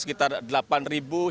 sekitar sepuluh juta orang